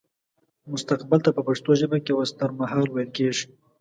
مستقبل ته په پښتو ژبه کې وستهرمهال ويل کيږي